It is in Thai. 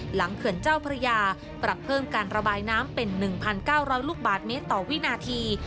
เขื่อนเจ้าพระยาปรับเพิ่มการระบายน้ำเป็น๑๙๐๐ลูกบาทเมตรต่อวินาที